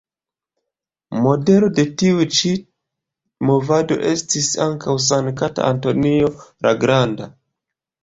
Modelo de tiu ĉi movado estis ankaŭ Sankta Antonio la Granda.